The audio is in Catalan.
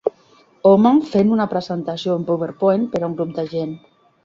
Home fent una presentació en PowerPoint per a un grup de gent.